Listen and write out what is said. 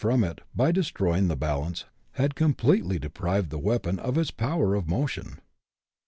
113 from it, by destroying the balance, had completely deprived the weapon of its power of motion.